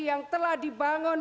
yang telah dibangun